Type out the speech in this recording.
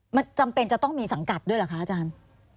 มันจำเป็นจะต้องมีสังกัดด้วยเหรอคะอาจารย์